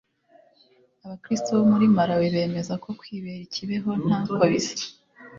Abakirisitu bo muri malawi bemeza ko kwibera ikibeho ntako bisa